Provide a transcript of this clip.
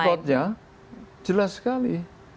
dan rekodnya jelas sekali